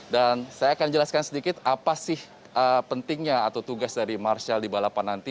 dan saya akan jelaskan sedikit apa sih pentingnya atau tugas dari marsial di balapan nanti